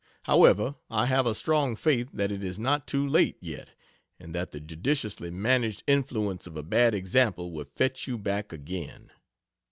However, I have a strong faith that it is not too late, yet, and that the judiciously managed influence of a bad example will fetch you back again.